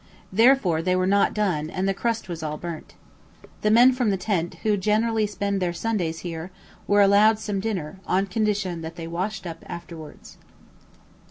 Therefore they were not done, and the crust was all burst. The men from the tent, who generally spend their Sundays here, were allowed some dinner, on condition they washed up afterwards.